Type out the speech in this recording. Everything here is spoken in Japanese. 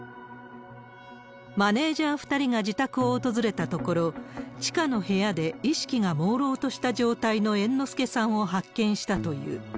マネージャー２人が自宅を訪れたところ、地下の部屋で、意識がもうろうとした状態の猿之助さんを発見したという。